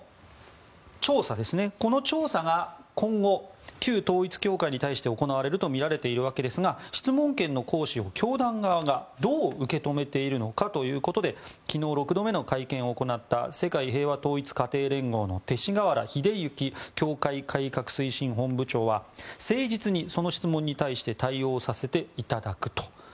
この調査が今後、旧統一教会に対して行われるとみられていますが質問権の行使を教団側がどう受け止めているのかということで昨日、６度目の会見を行った世界平和統一家庭連合の勅使河原秀行教会改革推進本部長は誠実にその質問に対して対応させていただくと。